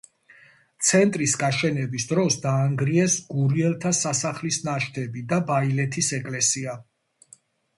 ცენტრის გაშენების დროს დაანგრიეს გურიელთა სასახლის ნაშთები და ბაილეთის ეკლესია.